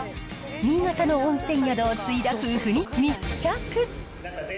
新潟の温泉宿を継いだ夫婦に密着！